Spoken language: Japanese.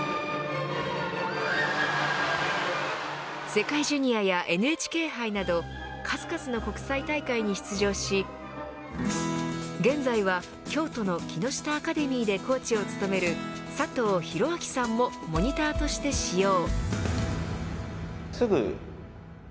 世界ジュニアやＮＨＫ杯など数々の国際大会に出場し現在は京都の木下アカデミーでコーチを務める佐藤洸彬さんもモニターとして使用。